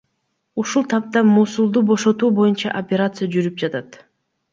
Ушул тапта Мосулду бошотуу боюнча операция жүрүп жатат.